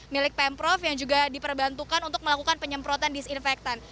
milik pemprov yang juga diperbantukan untuk melakukan penyemprotan disinfektan